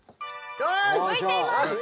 向いています！